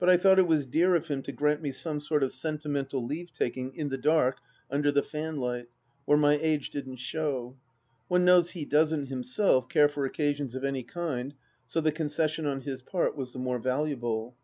But I thought it was dear of him to grant me some sort of senti mental leave taking, in the dark, under the fanlight ... where my age didn't show. ... One knows he doesn't, himself, care for occasions of any kind, so the concession on his part was the more valuable.